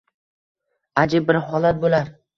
Ajib bir holat bo’lar.